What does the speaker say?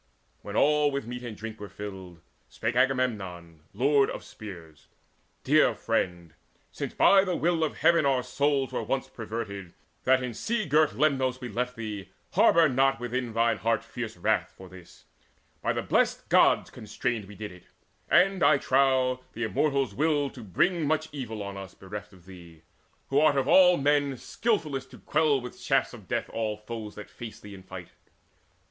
When all with meat and drink Were filled, spake Agamemnon lord of spears: "Dear friend, since by the will of Heaven our souls Were once perverted, that in sea girt Lemnos We left thee, harbour not thine heart within Fierce wrath for this: by the blest Gods constrained We did it; and, I trow, the Immortals willed To bring much evil on us, bereft of thee, Who art of all men skilfullest to quell With shafts of death all foes that face thee in fight.